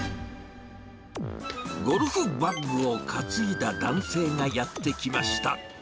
ゴルフバッグを担いだ男性がやって来ました。